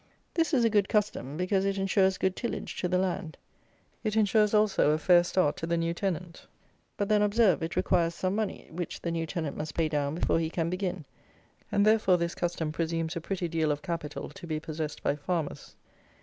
This is a good custom; because it ensures good tillage to the land. It ensures, also, a fair start to the new tenant; but then, observe, it requires some money, which the new tenant must pay down before he can begin, and therefore this custom presumes a pretty deal of capital to be possessed by farmers.